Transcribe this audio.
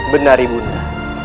benar ibu nda